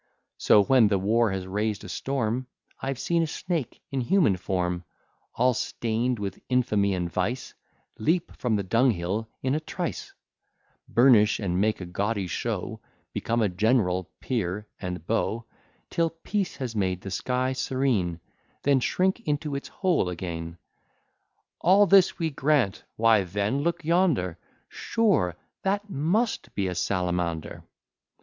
So, when the war has raised a storm, I've seen a snake in human form, All stain'd with infamy and vice, Leap from the dunghill in a trice, Burnish and make a gaudy show, Become a general, peer, and beau, Till peace has made the sky serene, Then shrink into its hole again. "All this we grant why then, look yonder, Sure that must be a Salamander!"